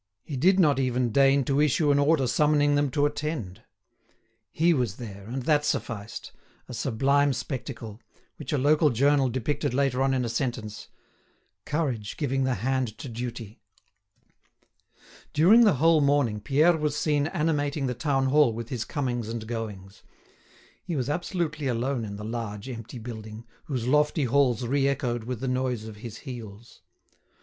He did not even deign to issue an order summoning them to attend. He was there, and that sufficed, a sublime spectacle, which a local journal depicted later on in a sentence: "Courage giving the hand to duty." During the whole morning Pierre was seen animating the town hall with his goings and comings. He was absolutely alone in the large, empty building, whose lofty halls reechoed with the noise of his heels.